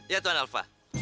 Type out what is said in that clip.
ya tuan alva